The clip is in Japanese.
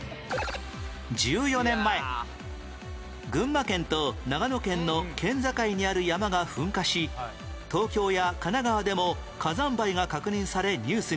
１４年前群馬県と長野県の県境にある山が噴火し東京や神奈川でも火山灰が確認されニュースに